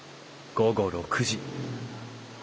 午後６時。